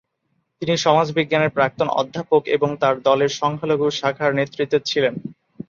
তিনি সমাজবিজ্ঞানের প্রাক্তন অধ্যাপক এবং তাঁর দলের সংখ্যালঘু শাখার নেতৃত্বে ছিলেন।